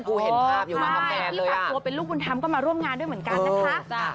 พี่ฝากตั๋วเป็นลูกมูลธรรมก็มาร่วมงานด้วยเหมือนกันนะคะ